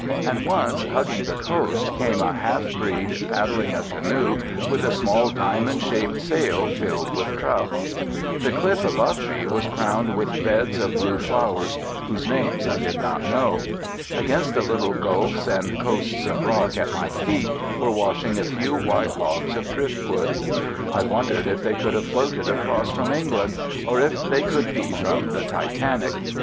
And once, hugging the coast, came a half breed paddling a canoe with a small diamond shaped sail, filled with trout. The cliff above me was crowned with beds of blue flowers, whose names I did not know. Against the little gulfs and coasts of rock at my feet were washing a few white logs of driftwood. I wondered if they could have floated across from England, or if they could be from the Titanic.